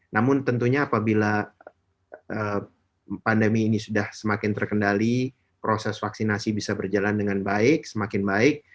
namun tentunya apabila pandemi ini sudah semakin terkendali proses vaksinasi bisa berjalan dengan baik semakin baik